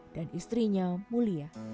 dan istrinya mulia tujuh puluh tahun